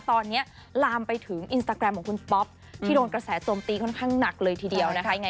ตอนนี้ลามไปถึงอินสตาแกรมของคุณป๊อปที่โดนกระแสโจมตีค่อนข้างหนักเลยทีเดียวนะคะ